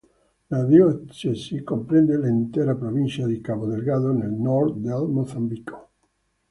La diocesi comprende l'intera provincia di Cabo Delgado nel nord del Mozambico.